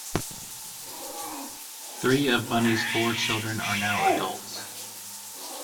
Three of Bunny's four children are now adults.